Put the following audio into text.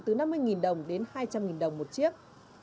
từ năm mươi đồng đến hai trăm linh đồng một chiếc